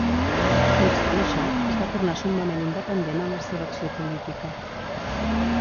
No obstant això, es va tornar summament independent en la seva acció política.